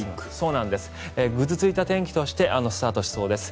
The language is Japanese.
ぐずついた天気としてスタートしそうです。